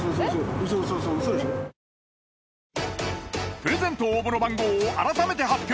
プレゼント応募の番号を改めて発表！